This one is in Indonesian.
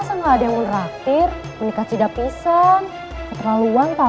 siapa jadi tramnya